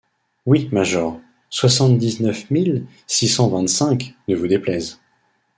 Oui, major, soixante-dix-neuf mille six cent vingt-cinq, ne vous déplaise.